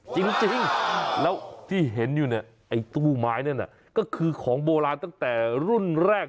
จริงแล้วที่เห็นอยู่เนี่ยไอ้ตู้ไม้นั่นน่ะก็คือของโบราณตั้งแต่รุ่นแรก